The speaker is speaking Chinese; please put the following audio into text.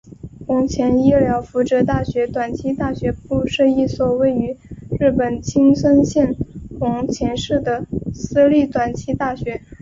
弘前医疗福祉大学短期大学部是一所位于日本青森县弘前市的私立短期大学。